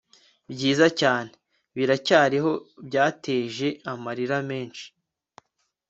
byiza cyane biracyariho, byateje amarira menshi